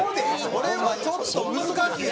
それはちょっと難しい。